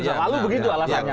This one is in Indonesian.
selalu begitu alasannya